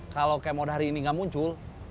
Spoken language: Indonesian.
kalau kemoda hari ini nggak muncul